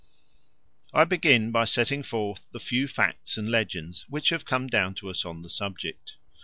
I begin by setting forth the few facts and legends which have come down to us on the subject.